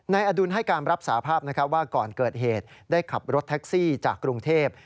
อดุลให้การรับสาภาพว่าก่อนเกิดเหตุได้ขับรถแท็กซี่จากกรุงเทพ